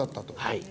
はい。